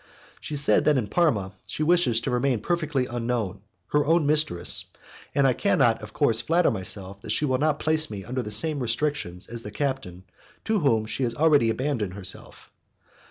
She says that in Parma she wishes to remain perfectly unknown, her own mistress, and I cannot, of course, flatter myself that she will not place me under the same restrictions as the captain to whom she has already abandoned herself.